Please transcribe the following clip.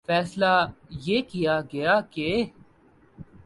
فیصلہ یہ کیا گیا کہ